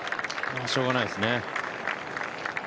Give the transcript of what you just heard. しょうがないですね。